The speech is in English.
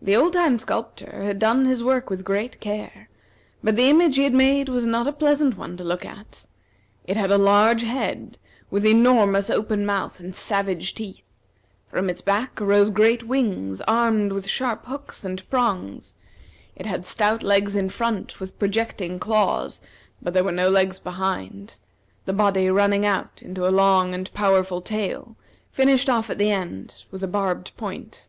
The old time sculptor had done his work with great care, but the image he had made was not a pleasant one to look at. It had a large head, with enormous open mouth and savage teeth; from its back arose great wings, armed with sharp hooks and prongs; it had stout legs in front, with projecting claws; but there were no legs behind, the body running out into a long and powerful tail, finished off at the end with a barbed point.